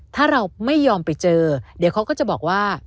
ถ้าเราไม่ยอมไปเจอเดี๋ยวเขาก็จะบอกว่า